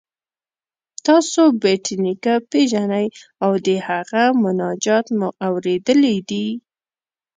تاسو بېټ نیکه پيژنئ او د هغه مناجات مو اوریدلی دی؟